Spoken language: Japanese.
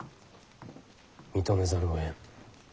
認めざるをえん。